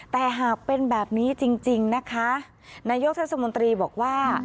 แต่หากเป็นแบบนี้จริงนะคะนายกเทศมนตรีบอกว่า